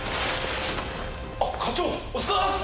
あっ課長お疲れさまです！